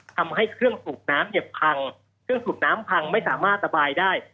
ทำให้เครื่องสูบน้ำเหยียบพังเครื่องสูบน้ำพังไม่สามารถระบายได้